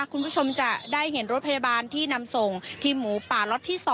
คุณผู้ชมจะได้เห็นรถพยาบาลที่นำส่งทีมหมูป่าล็อตที่๒